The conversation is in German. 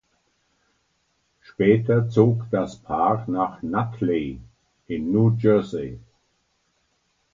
Später zog das Paar nach Nutley in New Jersey.